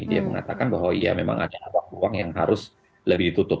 dia mengatakan bahwa ya memang ada ruang ruang yang harus lebih ditutup